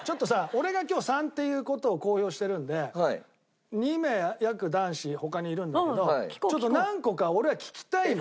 俺が今日３っていう事を公表してるんで２名約男子他にいるんだけど何個か俺は聞きたいの。